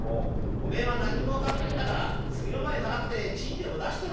おめえは何にも分からねえんだから次の間へ下がってちんでも出してろ」。